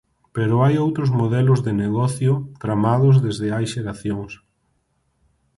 Pero hai outros modelos de negocio, tramados desde hai xeracións.